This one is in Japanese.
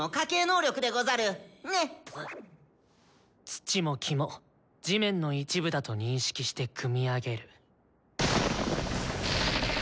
土も木も地面の一部だと認識して組み上げる。